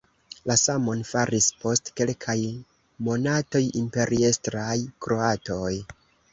La samon faris post kelkaj monatoj imperiestraj kroatoj.